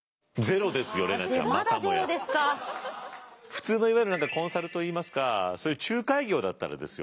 普通のいわゆるコンサルといいますかそういう仲介業だったらですよ